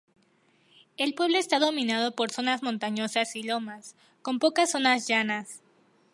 El Pueblo está dominado por zonas montañosas y lomas, con pocas zonas llanas.